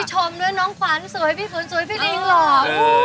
ชมด้วยน้องขวัญสวยพี่ฝนสวยพี่ลิงหรอก